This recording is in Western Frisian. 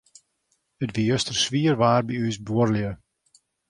It wie juster swier waar by ús buorlju.